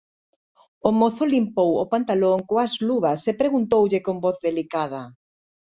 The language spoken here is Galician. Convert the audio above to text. O mozo limpou o pantalón coas luvas e preguntoulle con voz delicada: